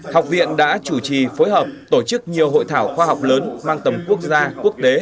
học viện đã chủ trì phối hợp tổ chức nhiều hội thảo khoa học lớn mang tầm quốc gia quốc tế